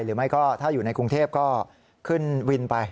หรือไม่ก็ถ้าอยู่ในกรุงเทพก็ขึ้นวินไป